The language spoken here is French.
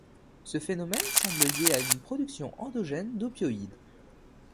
Ce phénomène semble lié à une production endogène d'opioïdes.